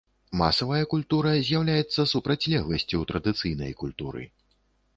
Масавая культура з'яўляецца супрацьлегласцю традыцыйнай культуры.